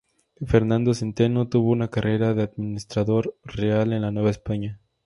Fernando Centeno tuvo una carrera de administrador real en la Nueva España.